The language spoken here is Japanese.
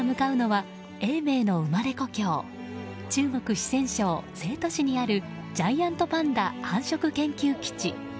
四川省成都市にあるジャイアントパンダ繁殖研究基地。